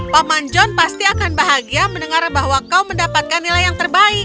paman john pasti akan bahagia mendengar bahwa kau mendapatkan nilai yang terbaik